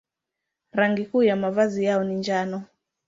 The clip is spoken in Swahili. Rangi kuu ya mavazi yao ni njano.